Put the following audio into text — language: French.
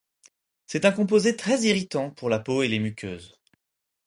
C'est un composé très irritant pour la peau et les muqueuses.